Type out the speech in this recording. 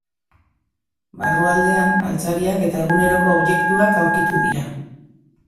Barrualdean, altzariak eta eguneroko objektuak aurkitu dira.